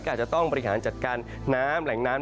ก็อาจจะต้องบริหารจัดการน้ำแหล่งน้ำ